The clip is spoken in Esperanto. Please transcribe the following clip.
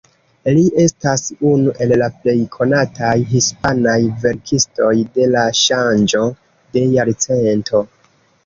Li estas unu el la plej konataj hispanaj verkistoj de la ŝanĝo de jarcento.